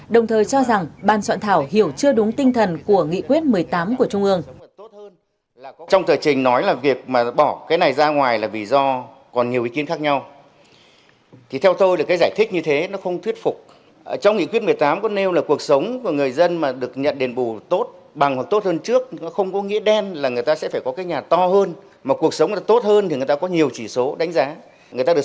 đồng thời cho rằng ban soạn thảo hiểu chưa đúng tinh thần của nghị quyết một mươi tám của trung ương